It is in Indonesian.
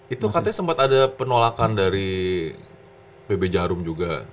itu katanya sempat ada penolakan dari pb jarum juga